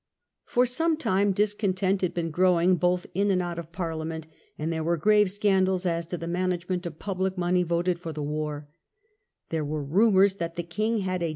For some time discontent had been growing both in and out of Parliament; there were grave scandals as to Fall of '^^ management of public money voted for Clarendon, the War; there were rumours that the king August, 1667.